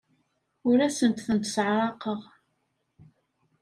Ur asent-tent-sseɛraqeɣ.